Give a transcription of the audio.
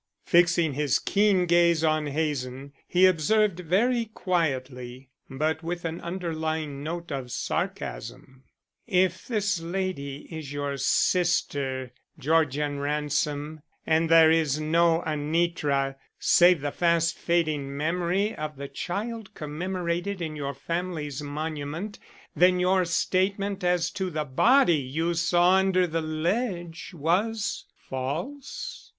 Fixing his keen gaze on Hazen, he observed very quietly, but with an underlying note of sarcasm: "If this lady is your sister, Georgian Ransom, and there is no Anitra save the fast fading memory of the child commemorated in your family's monument, then your statement as to the body you saw under the ledge was false?"